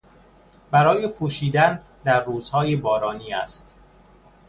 برای پوشیدن در روزهای بارانی است.